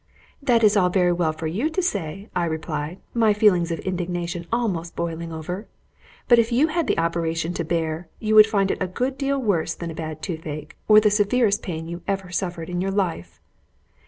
"'That is all very well for you to say,' I replied, my feelings of indignation almost boiling over, 'but if you had the operation to bear, you would find it a good deal worse than a bad toothache, or the severest pain you ever suffered in your life.'